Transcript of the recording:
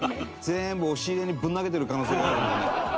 全部押し入れにぶん投げてる可能性があるんでね。